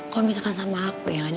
kalau misalkan sama aku ya